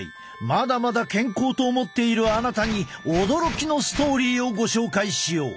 まだまだ健康と思っているあなたに驚きのストーリーをご紹介しよう。